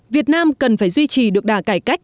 việt nam cần phải duy trì được đà cải cách